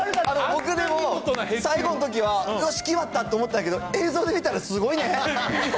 僕も最後のときは、よし、決まったと思ったけど、映像で見たらすごいね。